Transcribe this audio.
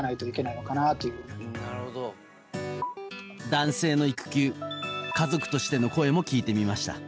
男性の育休家族としての声も聞いてみました。